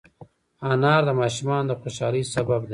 انار د ماشومانو د خوشحالۍ سبب دی.